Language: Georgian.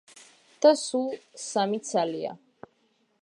და სულ სამი ცალია.